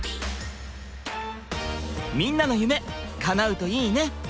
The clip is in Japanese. みんなの夢かなうといいね！